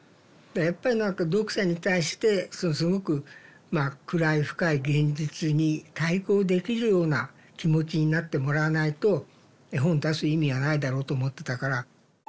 だからやっぱり何か読者に対してすごく暗い深い現実に対抗できるような気持ちになってもらわないと絵本出す意味はないだろうと思ってたから。